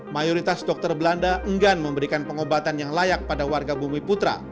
mayoritas dokter belanda enggan memberikan pengobatan yang layak pada warga bumi putra